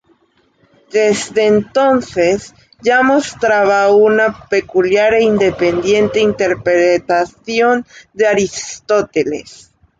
Desde entonces ya mostraba una peculiar e independiente interpretación de Aristóteles.